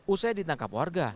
usai ditangkap warga